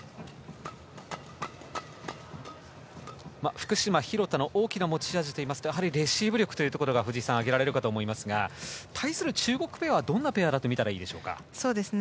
福島、廣田の大きな持ち味といいますかやはりレシーブ力が挙げられると思いますが対する中国ペアはどんなペアと見たらいいですか。